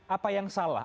apa yang salah